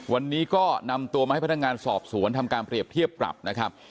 วันนี้ก็นำตัวมาให้พนักงานสอบสวนทำการเปรียบเทียบปรับนะครับ